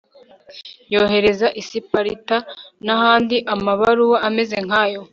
yohereza i siparita n'ahandi amabaruwa ameze nk'ayo